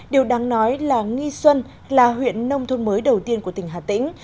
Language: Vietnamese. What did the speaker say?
điều đáng nói là nghi xuân là huyện nông thôn mới đầu tiên của tỉnh hà tĩnh